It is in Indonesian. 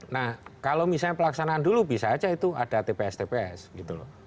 nah kalau misalnya pelaksanaan dulu bisa aja itu ada tps tps gitu loh